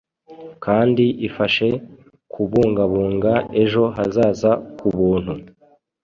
kandi ifashe kubungabunga ejo hazaza kubuntu